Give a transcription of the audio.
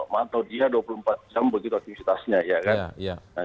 atau dia dua puluh empat jam begitu aktivitasnya ya kan